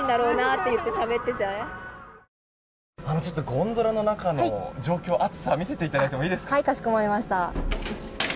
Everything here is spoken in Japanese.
ゴンドラの中の状況暑さを見せていただいてもいいですか。